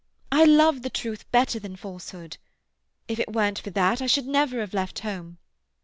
I love the truth better than falsehood. If it weren't for that I should never have left home.